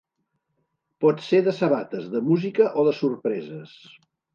Pot ser de sabates, de música o de sorpreses.